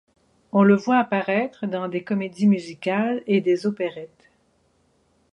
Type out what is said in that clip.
On le voit apparaître dans des comédies musicales et des opérettes.